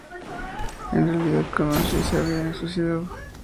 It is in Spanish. En realidad, Konishi se había suicidado.